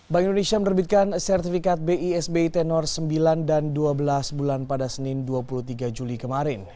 bank indonesia menerbitkan sertifikat bi sbi tenor sembilan dan dua belas bulan pada senin dua puluh tiga juli kemarin